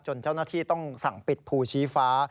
เจ้าหน้าที่ต้องสั่งปิดภูชีฟ้า